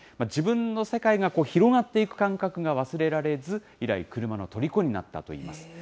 自分の世界が広がっていく感覚が忘れられず、以来、クルマのとりこになったといいます。